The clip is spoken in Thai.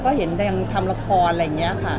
ก็เห็นยังทำละครอะไรอย่างนี้ค่ะ